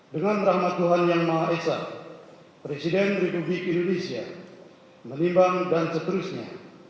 dengan rahmat tuhan yang maha esa presiden republik indonesia